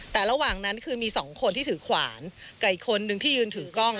แต่ระหว่างนั้นคือมีสองคนที่ถือขวานกับอีกคนนึงที่ยืนถือกล้อง